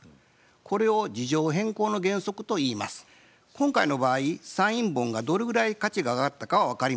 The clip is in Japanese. これを今回の場合サイン本がどれくらい価値が上がったかは分かりません。